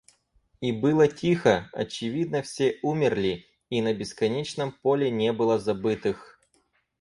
И было тихо, — очевидно, все умерли, и на бесконечном поле не было забытых.